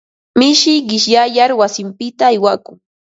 Mishi qishyayar wasinpita aywakun.